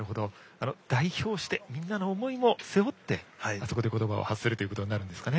代表してみんなの思いも背負ってあそこで言葉を発することになるんですかね。